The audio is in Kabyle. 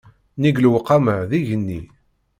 Nnig lewqama d igenni.